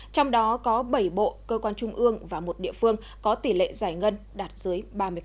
trong đó có bảy bộ cơ quan trung ương và một địa phương có tỷ lệ giải ngân đạt dưới ba mươi